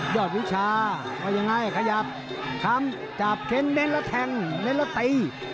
วิชาว่ายังไงขยับคำจับเข้นเน้นแล้วแทงเน้นแล้วตี